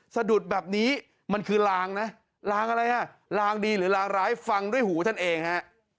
สะดุดแบบนี้มันคือลางนะลางอะไรฮะลางดีหรือลางร้ายฟังด้วยหูท่านเองฮะ